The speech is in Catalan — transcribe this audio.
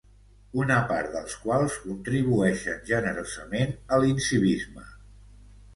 una part dels quals contribueixen generosament a l'incivisme